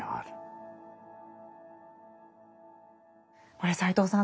これ斎藤さん